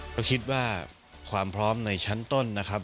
ก็คิดว่าความพร้อมในชั้นต้นนะครับ